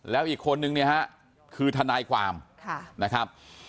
แล้วอีกคนนึงเนี่ยฮะคือทนายความนะครับ